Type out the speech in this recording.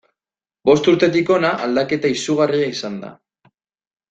Bost urtetik hona aldaketa izugarria izan da.